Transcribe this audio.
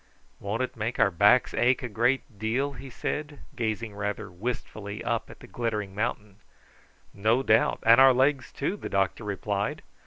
"Won't it make our backs ache a deal?" he said, gazing rather wistfully up at the glittering mountain. "No doubt, and our legs too," the doctor replied.